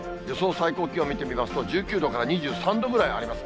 最高気温を見てみますと、１９度から２３度ぐらいあります。